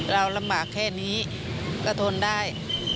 เราลำบากแค่นี้ก็ทนได้